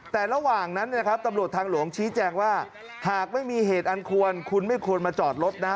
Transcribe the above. แต่ระหว่างนั้นเนี่ยครับตำรวจทางหลวงชี้แจงว่าหากไม่มีเหตุอันควรคุณไม่ควรมาจอดรถนะ